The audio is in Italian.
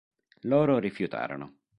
Loro rifiutarono.